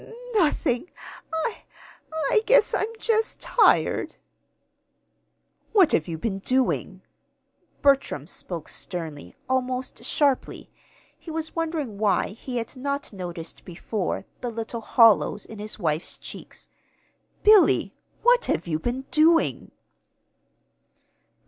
"N nothing. I I guess I'm just tired." "What have you been doing?" Bertram spoke sternly, almost sharply. He was wondering why he had not noticed before the little hollows in his wife's cheeks. "Billy, what have you been doing?"